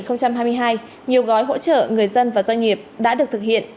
năm hai nghìn hai mươi hai nhiều gói hỗ trợ người dân và doanh nghiệp đã được thực hiện